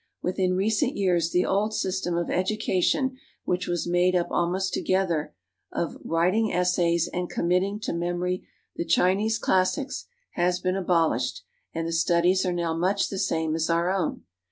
Within recent years the old system of education which was made up almost altogether of writing essays and committing to memory the Chinese classics, has been abolished, and the J« f^^^^ f^ # Schoolboys studies are now much the same as our own.